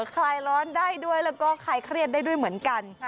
คลายร้อนได้ด้วยแล้วก็คลายเครียดได้ด้วยเหมือนกัน